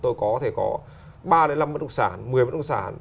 tôi có thể có ba năm bất động sản một mươi bất động sản